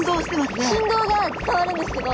振動が伝わるんですけど。